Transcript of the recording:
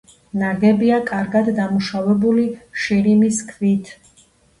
ნაგებია კარგად დამუშავებული შირიმის ქვით.